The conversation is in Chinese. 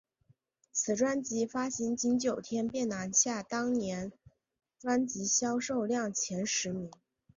此专辑发行仅九天便拿下当年专辑销售量前十名。